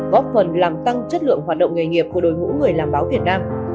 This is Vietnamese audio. góp phần làm tăng chất lượng hoạt động nghề nghiệp của đội ngũ người làm báo việt nam